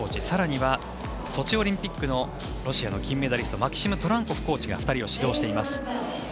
さらにはソチオリンピックのロシアの金メダリストマキシム・トランコフコーチが２人を指導しています。